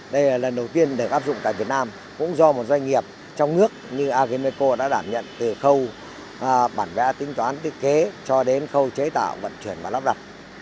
đây là lần đầu tiên được áp dụng tại việt nam cũng do một doanh nghiệp trong nước như ageneco đã đảm nhận từ khâu bản vẽ tính toán thiết kế cho đến khâu chế tạo vận chuyển và lắp đặt